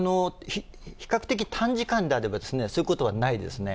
比較的短時間であれば、そういうことはないですね。